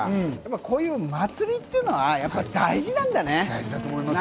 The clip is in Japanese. こういう祭りっていうのは大事なんだね。